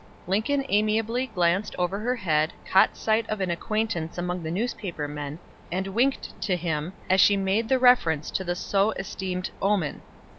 Lincoln amiably glanced over her head, caught sight of an acquaintance among the newspaper men, and winked to him as she made the reference to the so esteemed omen.